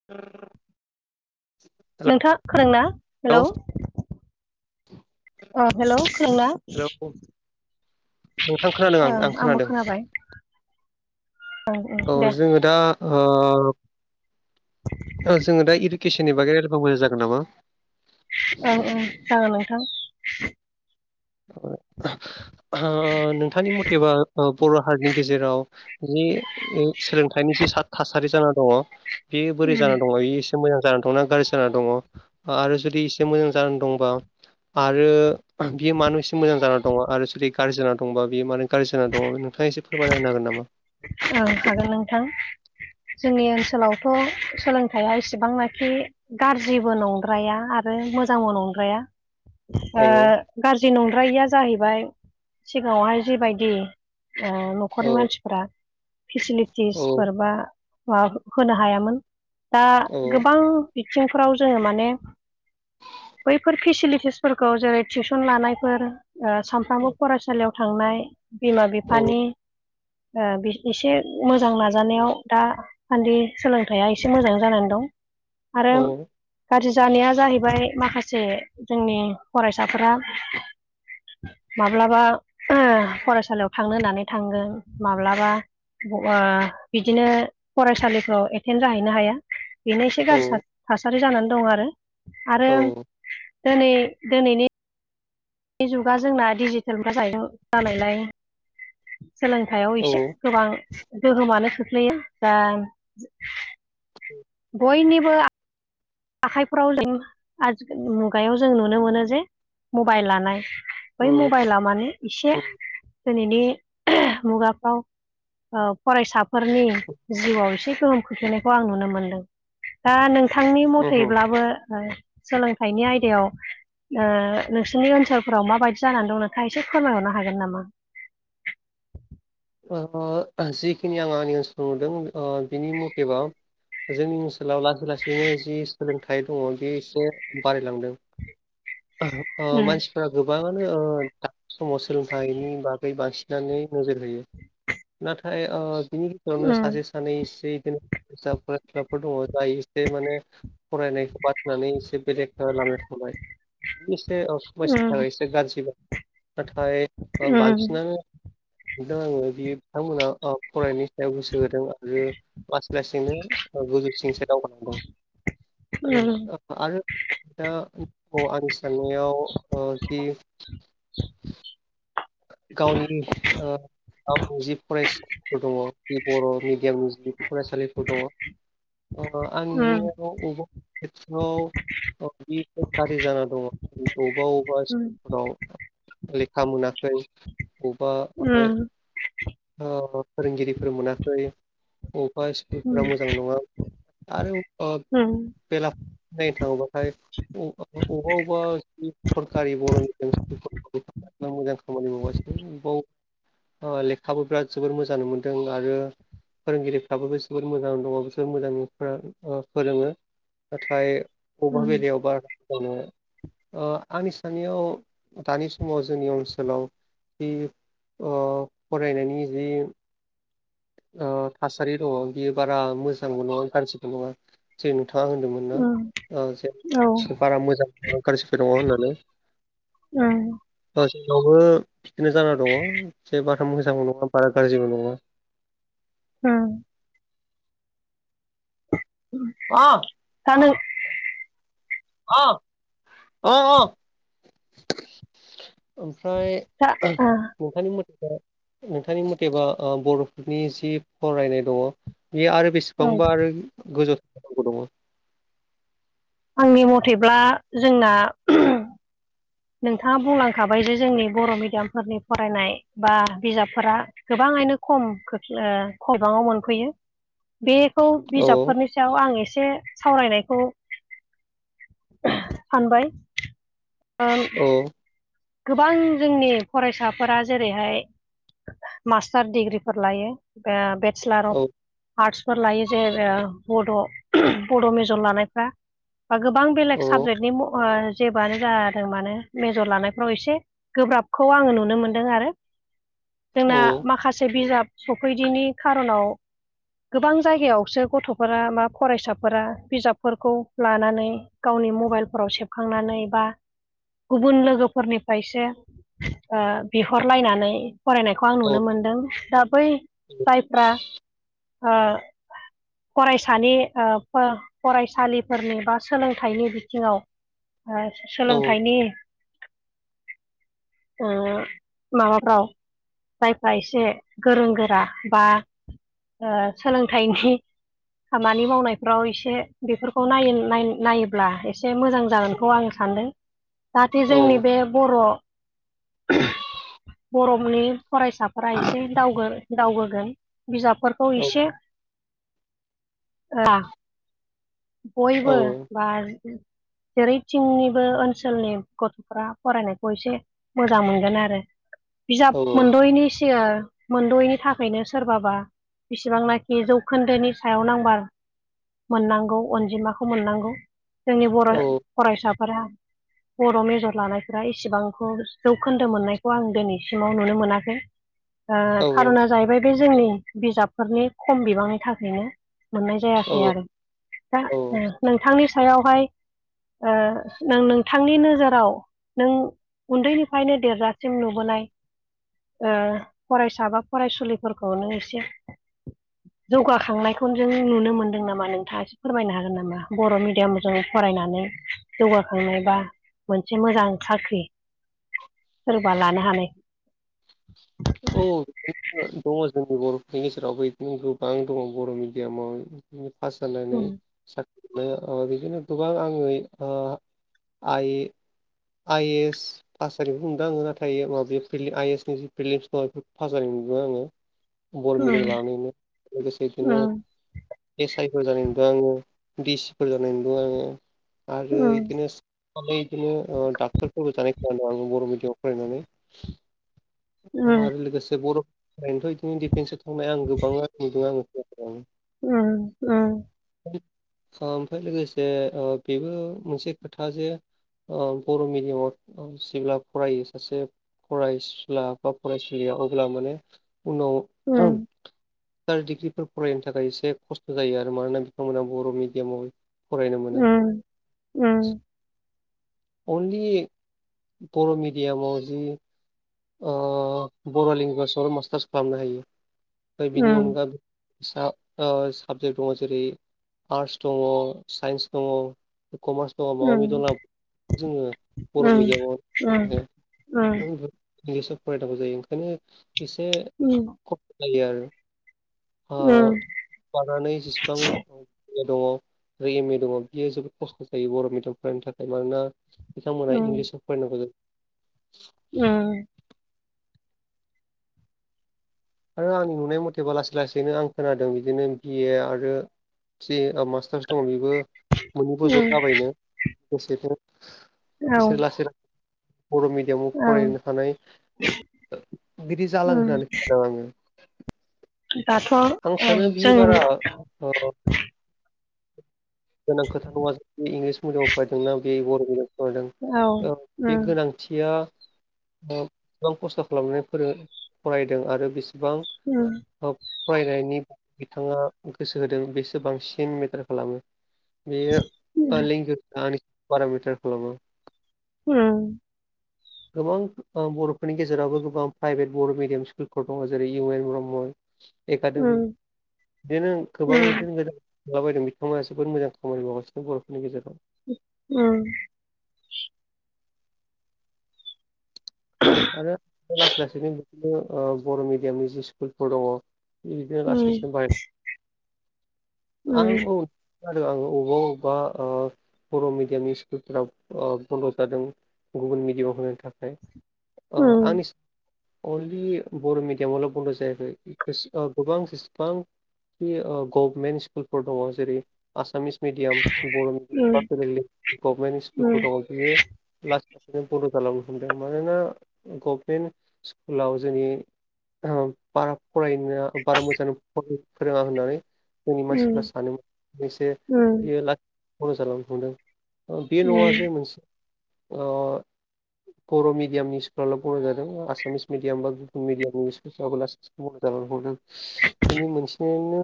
[inaudible] नोंथाङा खोदोना हेलौ अ हेलौ खोनदोंना हेलौ नोंथां खोनादों आं ओं आं आंबो खोनादों खोनाबाय ओं ओं औ दे जोङो दा ओ ओ जोङो दा इदुकेसननि बागै रायलायबा मोजां जागोन नामा ओं ओं जागोन नोंथां ओ नोंथांनि मथेबा बर' हारिनि गेजेराव बिनि ओ सोलोंथाइनि जि थासारि जाना दङ बे बोरै उम जाना दङ बे एस एसे मोजां जानानै दंना गारजि जाना दङ ओ आरो जुदि एसे मोजां जानानै दंबा आरो बियो मानो एसे मोजां जाना दंङ आरो जुदि गारजि जाना दंबा बियो मानो गारजि जाना दंङ नोंथांङा एसे फोरमायना होनो हागोन नामा ओं हागोन नोंथां जोंनि ओनसोलावथ सोलोंथाइया एसेबांनाखि गाज्रिबो नंद्राया आरो मोजांबो नंद्राया ओ औ गाज्रि नंद्रायैया जाहैबाय सिगाङावहाय जिबायदि ओ न'खरनि औ मानसि औ फेसिलिटिसफोर बा माबा होनो हायामोन दा औ गोबां बिथिंफ्राव जोङो माने बैफोर फेसिलिटिसफोरखौ जेरै टिउसन लानायफोर ओ सामफ्रामबो फरायसालियाव थांनाय बिमा औ बिफानि ओ बिस एसे मोजां नाजानायाव दा सान्दि सोलोंथाइया एसे मोजां जानानै दं आरो औ गाज्रि जानाया जाहैबाय माखासे जोंनि फरायसाफोरा माब्लाबा फरायसालियाव थांनो होननानै थांगोन माब्लाबा ओ बिदिनो फरायसालिफ्राव एथेन्ड जाहैनो हाया बेनो एसे गाज्रि औ था-थासारि जानानै दं आरो आरो औ दोनै दोनैनि बे जुगा जोंना डिजिटेल जानायलाय सोलोंथाइयाव औ एसे गोबां गोहोमानो खोख्लैयो बा उम बयनिबो आ आखाइफ्राव जों आथि मुगायाव जों नुनो मोनो जे मबाइल लानाय बै उम मबाइला माने इसे उम दिनैनि मुगाफ्राव ओ फरायसाफोरनि जिउआव एसे गोहोम खोख्लैनायखौ आं नुनो मोनदों दा नोंथांनि उमहो मथैब्लाबो ओ सोलोंथाइनि आयदायाव ओ नोंसोरनि ओनसोलफोराव माबायदि जानानै दं नोंथाङा एसे फोरमायहरनो हागोन नामा? ओ जिखिनि आं आंनि ओनसाव नुदों ओ बिनि मुथेबा जोंनि ओनसोलाव लासै लासैनो जि सोलोंथाइ दंङ बे एसे बारायलांदों ओ उम मानसि फ्रा गोबांङानो ओ दा समाव सोलोंथाइनि बागै बांसिनानो नोजोर होयो नाथाय ओ बिनि गेजेरावनो सासे उम सानै इसे इदिनो जाबग्रा जाफोर दङ जा इसे माने फरायनायखौ बादहोनानै एसे बेलेख ओ लामायाव थांबाय एसे बयसनि थाखाय उम एसे गाज्रि नाथाय उम बांसिनानो दा आंङो बियो बिथांमोना ओ फरायनायनि सायाव गोसो होदों आरो लासै लासैनो गोजौसिनसो दावगादों दा ओं आरो दा अ आंनि साननायाव ओ जि गावनि ओ गावनि जि फरायसाफोर दंङ बे बर मिडियामनि जि फरायसालिफोर दंङ ओ आंनि नों नुनायाव बबेबा खेथ्रआव औ बेदि गाज्रि जाना दंङ अबेबा अबेबा स्कुलफोराव लेखा मोनाखै बबा थानाय ओ फोरोंगिरिफोर मोनाखै बबेबा स्कुलफोरा मोजां नंङा आरो आबबा बेला नायनो थां बाथाय अबेबा अबेबा सरकारि बर मिडियाम स्कुल मोजां खामानि मावासै बे लेखाबो बिराद जोबोर मोजांबो मोन्दों आरो फोरोंगिरिफ्राबो जबोद मोजां दंङ बिसोर मोजां ओ फोरोङो। नाथाय बबेबा बेलायावबा ओ आंनि साननायाव दानि समाव जोंनि ओनस ओनसोलाव जि ओ फरायनायनि जि ओ थासारि दंङ बियो बारा मोजांबो नंङा गाज्रिबो नंङा जे नोंथांङा होनदोंमोन। ओ दा ओ बारा मोजां गाज्रिबो दङ होननानै। ओम ओ जोंनावबो पिकनिक जाना दंङ एसे बाथाम मोजांबो नंङा बारा गाज्रिबो नंङा। ओम उम अ थानो अ अ अ ओमफ्राय नोंथांनि मथेबा नोंथांनि मुथेबा ओ बरफोरनि जि फरायनाय दंङ बेयो आरो बेसे बेसेबांबा आरो गोजौ थांनांगौ दंङ। आंनि मथेब्ला जोंना नोंथांङा बुंलांखाबाय जे जोंनि बर मिडियामफोरनि फरायनाय बा बिजाबफोरा गोबांङैनो खम खोख्लै ओ खौरांङाव मोनफैयो बेखौ औ बिजाबफोरनि सयाव आं एसे सावरायनायखौ सानबाय। ओं औ गोबां जोंनि फरायसाफोरा जेरैहाय मास्टार दिडिग्रिफोर लायो। ओ बेत्सलार अफ औ आर्ट्सफोर लायो जे ओ बड बड मेजर लानायफ्रा। बा गोबां बेलेग औ साबजेक्टनि म ओ जेबोआनो जादों माने मेजर लानाय फ्राव एसे गोब्राबखौ आङो नुनो मोनदों आरो जोंना औ माखासे बिजाब सफैदिनि खार'नाव गोबां जायगायावसो गथ'फोरा बा फरायसाफोरा बिजाबफोरखौ लानानै गावनि मबाइलफोराव सेबखांनानै बा गुबुन लोगो फोरनिफ्रायसो ओ बिहरलायनानै फरायनाय खौ आं औ नुनो मोनदों दा बै जायफ्रा ओ फरायसानि ओ फो फरायसालिफोरनि बा सोलोंथाइनि बिथिङाव ओ औ सोलोंथाइनि ओ माबाफ्राव जायफ्रा एसे गोरों गोरा बा ओ सोलोंथाइनि खामानि मावनायफ्राव एसे बेफोरखौ नायो-नाय-नायोब्ला एसे मोजां जागोनखौ आं सानदों जाहाथे जोंनि औ बे बर' बर'नि फरायसाफोरा एसे दावगोन दावगोगोन बिजाबफोरखौ औ एसे ना बयबो औ बा जेरैथिंनिबो ओनसोलनि गथ'फ्रा फरायनायखौ एसे मोजां मोनगोन आरो औ बिजाब मोनद'यैनि सिगां मोनद'यैनि थाखायनो सोरबाबा बिसिबांनाखि जौखोन्दोनि सायाव नांबार मोननांगौ अनजिमाखौ मोननांगौ जोंनि बर' औ फरायसाफोरा। बर' मेजर लानायफोरा इसिबांखौ जौखोन्दो मोननायखौ आं दिनैसिमाव नुनो मोनाखै। ओ औ खार'ना जाहैबाय बे जोंनि बिजाबफोरनि खम बिबांनि थाखायनो मोननाय जायो। औ आरो दा औ नोंथांनि सायावहाय ओ नों नोंथांनि नोजोराव नों उन्दैनिफ्रायनो देरजासिम नुबोनाय। ओ फरायसा बा फरायसुलिफोरखौनो एसे जौगाखांनायखौ जों नुनो मोनदों। नामा नोंथाङा एसे फोरमायनो हागोन नामा? बर' मिडियामजों फरायनानै जौगाखांनाय बा मोनसे मोजां साख्रि सोरबा लानो हानाय औ औ बिदिनो दङ जोंनि बर'फोरनि गेजेरावबो बिदिनो गोबां दङ बर' मिडियामाव। ओम पास जानानै। उम साख्रि मोननो ओ बिदिनो गोबां आङो आइ आइ एस पास जानायखौ नुदों आङो नाथाय माबा आइ एस नि जि प्रिलिमस दङ बे फास जानायखौ नुदोंमोन आङो। बर' मिडियाम उम लानानैनो लोगोसे बिदिनो। एस आइ फोर जानाय नुदों आङो डिसिफोर जानाय नुदों आङो आरो उम इदिनो दिनो ओ डाक्टारफोरबो जानाय नुदों बर' मेडियाम फरायनानै उम आरो लोगोसे बर' फोरानोथ' बिदिनो दिडिफेन्सआव थांनाय आं गोबाङा नुदों आङो। ओम ओम ओमफ्राय लोगोसे बेबो मोनसे खोथा जे बर' मिडियामाव जेब्ला फरायो सासे फरायसुला बा फरायसुलिया अब्ला माने उनाव उम सार डिग्रिफोर फरायनो थाखाय एसे खस्थ' जायो आरो मानोना बिथांमोना बर' मिडियामाव। फरायनो मोना उम उम अनलि बर' मिडियामाव जि ओ बर' लेंगुवेजआव मास्टार्स खालामनो हायो बिनि उम अनगा सा ओ साबजेक्ट दङ जेरै आर्टस दङ साइन्स दङ कमार्स दं उम माबा मि दं जोङो उम बर' मिडियामाव उम [unintelligible] इंलिसाव फरायनांगौ जायो ओंखायनो एसे [unintelligible] खसथ जायो उम आरो बानानै जेसेबां दङ आरो एम ए दङ बियो जोबोद खस्थ' जायो बर' मिडियाम फरायनो थाखाय मानोना बिथांमोना उम इंलिस फरायनांगौ जायो। ओम आरो आंनि नुनाय मथेबा लासै लासैनो आं खोनादों बिदिनो बिए आरो थ्रि ओ मास्टार्स दङ बेबो। मोननैबो ज' उम, जाबायनो लोगोसेफोर औ बिसोर लासै लासै बर' मिड बिमाव औ फरायनो हानाय बिदि जालां उम, होननानै खदों आङो। दाथ' आं सानो बियो जों बारा ओ गोनां खोथाखौ हाय बे इंलिस मिडियामाव फरायदोंनाा बे बर' मिडियामाव औ फरायदों बे उम गोनां थिया ओ बेसेबां खस्थ' खालामनानै फोरों फरायदों आरो बेसेबां ओम औ फरायनायनि बिथाङा गोसो होदों बेसो बांसिन मेटार खालामो‌। बेयो उम ओ लिंगि आं पारामिटार खालामो। ओम [inaudible] गोबां ओ बर'फोरनि गेजेरावबो गोबां प्राइभेट बर' मिडियाम स्कुलफोर दङ जेरै इउ एन ब्रह्म। एकाादेमि उम बिदिनो गोबां उम बिदिनो गोजान माबायदि बिथांमोना जोबोद मोजां खामानि मावगासिनो बर'फोरनि गेजेराव औ [inaudible] आरो लासै लासैनो बिदिनो बर' मिडियामनि जि स्कुलफोर दंङ। बिदिनो उम लासै संबाय आं औ आरो आं अबेबा अबेबा बर' मिडियामनि स्कुलफोरा बन्द' जादों। गुबुन मिडियायाव होनो थाखाय उम आंनि अनलि बर' मिडियामावल' बन्द' जायाखै गोबां जेसेबां गभनमेन्ट स्कुलफोर दंङ जेरै आसामिस मिडियाम बर' मिडयाम उम फोर गभमेन्ट उम स्कुलफोर दंङ बियो। लासै लासैनो बड' खालामालामनो हमदों मानोना गभनमेन्ट स्कुलाव जोंनि बारा फरायनो बारा मोजां फोरोंङा होननानै जोंनि उम मानसिफ्रा सान एसे उम बियो लाथि ख' जालांनो हमदों बे न'आ जे मोनसे बर' मिडियामनि स्कुल सक बर' जादों आसामिस मिडियाम बा गुबुन मिडिामनिस लासै बर' ज' हरदों। बेनि मोनसेनि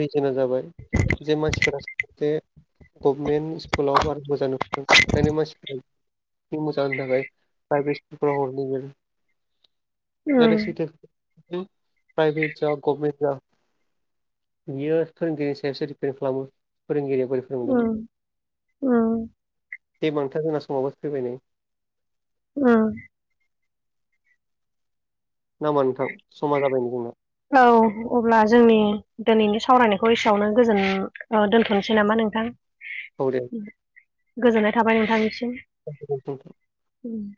रिजोनआ जाबाय जे मासिफोर- गभमेन्ट स्कुलाव बारा मोजां नुदों बेखायनो मानसिफ्रा मोजां होनो थाखाय प्राइभेट स्कुलाव हर प्राइभेट ज गभर्मेन्ट जा बियो फोरोंगिरिनि सायावसो दिपेन खालामो फोरोंगिरि अ अ दे नोंथां जोंना समाबो फैबायनाय अ नाामबा नोंथां समा जाबाय नो जोंना। औ अब्ला जोंनि दिनैनि सावरायनायखौ एसेयावनो गोजोन औ दोनथ'नोसै नामा नोंथां? औ दे। गोजोननाय थाबाय नोंथांनिसिम। [unintelligible] उम उम